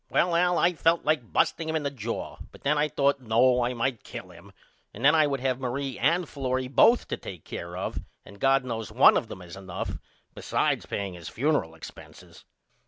Well Al I felt like busting him in the jaw but then I thought No I might kill him and then I would have Marie and Florrie both to take care of and God knows one of them is enough besides paying his funeral expenses.